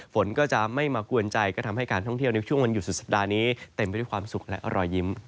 ฝนก็จะไม่มากวนใจก็ทำให้การท่องเที่ยวในช่วงวันหยุดสุดสัปดาห์นี้เต็มไปด้วยความสุขและรอยยิ้ม